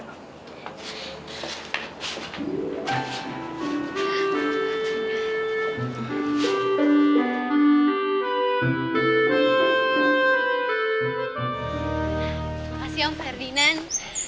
terima kasih om ferdinand